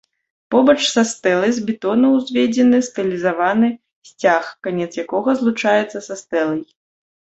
Побач са стэлай з бетону ўзведзены стылізаваны сцяг, канец якога злучаецца са стэлай.